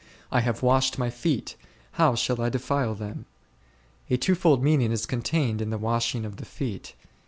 / have washed my feet, how shall I defile them ? A twofold meaning is contained in the washing of the feet.